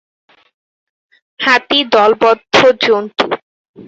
হাতি দলবদ্ধ জন্তু।